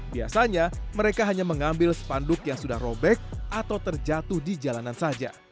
biasanya mereka hanya mengambil spanduk yang sudah robek atau terjatuh di jalanan saja